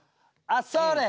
あっそれ！